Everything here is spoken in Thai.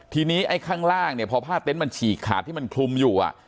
ทีนี้ไอ้ข้างล่างเนี่ยพอผ้าเต็นต์มันฉีกขาดที่มันคลุมอยู่